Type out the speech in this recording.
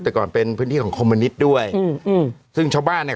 แต่ก่อนเป็นพื้นที่ของคอมมินิตด้วยอืมอืมซึ่งชาวบ้านเนี่ย